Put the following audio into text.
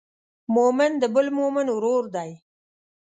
مؤمن د بل مؤمن ورور دی.